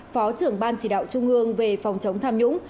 phó trưởng ban chỉ đạo trung ương về phòng chống tham nhũng